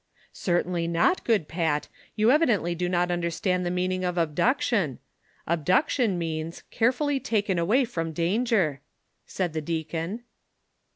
" C;;ertainly not, good Pat, you evidently do not under stand the meaning of abduction. Abduction means, care fully taken away from danger," said the deacon.